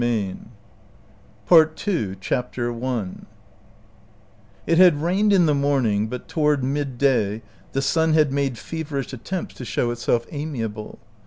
37 PART II CHAPTER I IT had rained in the morning, but toward midday the sun had made feverish at tempts to show itself amiable.